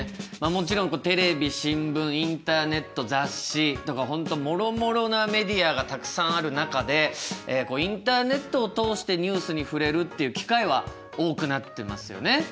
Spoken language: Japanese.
もちろんテレビ新聞インターネット雑誌とか本当もろもろなメディアがたくさんある中でインターネットを通してニュースに触れるっていう機会は多くなってますよね。